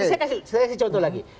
saya kasih contoh lagi